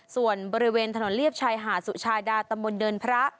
ส่วนบริเวณถนนเลียบชายหาดสุชาดาตำบลเดินพระ